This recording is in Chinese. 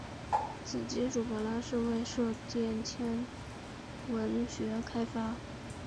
此技术本来是为射电天文学开发。